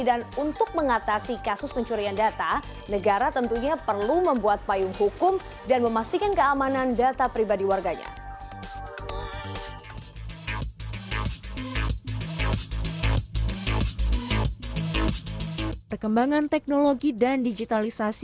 dan untuk mengatasi kasus pencurian data negara tentunya perlu membuat payung hukum dan memastikan keamanan data pribadi warganya